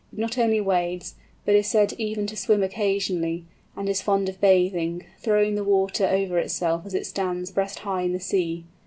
It not only wades, but is said even to swim occasionally, and is fond of bathing, throwing the water over itself as it stands breast high in the sea.